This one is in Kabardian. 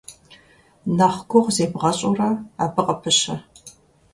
Нэхъ гугъу зебгъэщӀурэ, абы къыпыщэ.